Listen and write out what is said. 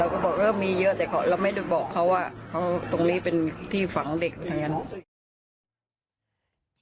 เราก็บอกว่ามีเยอะแต่เราไม่ได้บอกเขาว่าเขาตรงนี้เป็นที่ฝังเด็กทั้งนั้น